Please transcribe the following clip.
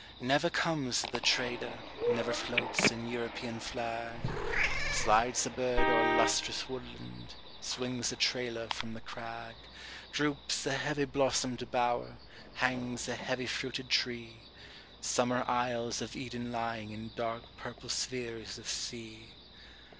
Never comes the trader, never floats an European flag, Slides the bird o'er lustrous woodland, swings the trailer from the crag, Droops the heavy blossomed bower, hangs the heavy fruited tree, Summer isles of Eden lying in dark purple spheres of sea.